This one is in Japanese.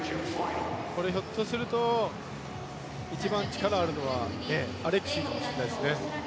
ひょっとすると一番力があるのはアレクシーかもしれないですね。